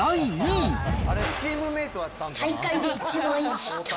大会で一番いいヒット。